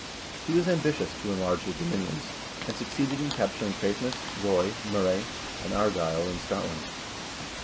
He was ambitious to enlarge his dominions, and succeeded in capturing Caithness, Ross, Moray, and Argyll in Scotland.